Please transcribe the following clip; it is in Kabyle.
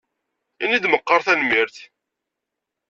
Ini-d meqqar tanemmirt.